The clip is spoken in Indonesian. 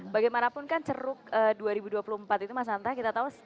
bagaimanapun kan ceruk dua ribu dua puluh empat itu mas hanta kita tahu